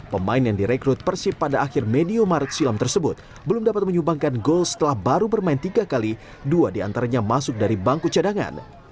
pemain yang direkrut persib pada akhir medio maret silam tersebut belum dapat menyumbangkan gol setelah baru bermain tiga kali dua diantaranya masuk dari bangku cadangan